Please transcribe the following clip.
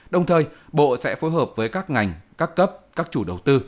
đồng thời bộ sẽ phối hợp với các ngành các cấp các chủ đầu tư